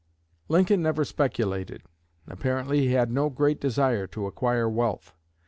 Lincoln never speculated. Apparently he had no great desire to acquire wealth.